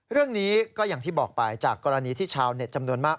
เรื่องนี้ก็อย่างที่บอกไปจากกรณีที่ชาวเน็ตจำนวนมาก